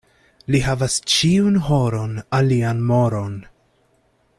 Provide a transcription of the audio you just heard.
Li havas ĉiun horon alian moron.